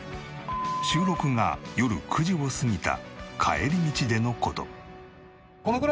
収録が夜９時を過ぎた帰り道での事。